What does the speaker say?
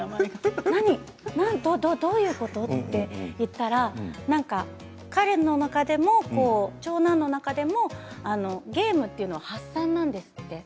どういうこと？って言ったら彼の中でも長男の中でもゲームというのは発散なんですって。